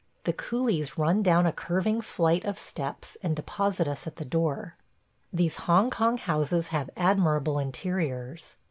The coolies run down a curving flight of steps and deposit us at the door. These Hong Kong houses have admirable interiors.